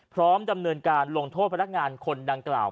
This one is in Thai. พร้อมดำเนินการลงโทษพนักงานคนดังกล่าว